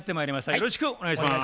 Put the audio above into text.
よろしくお願いします。